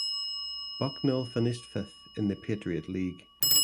Bucknell finished fifth in the Patriot League.